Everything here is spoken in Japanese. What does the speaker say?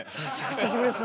久しぶりです